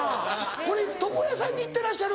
これ床屋さんに行ってらっしゃる？